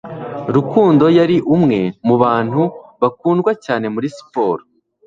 Rukundo yari umwe mu bantu bakundwa cyane muri siporo